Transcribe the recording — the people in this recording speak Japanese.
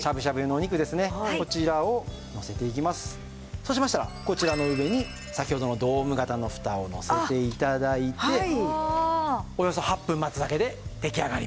そうしましたらこちらの上に先ほどのドーム型のふたをのせて頂いておよそ８分待つだけで出来上がります。